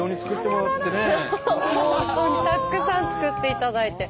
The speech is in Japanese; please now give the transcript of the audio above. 本当たくさん作っていただいて。